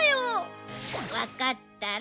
わかったら。